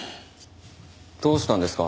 どうしたんですか？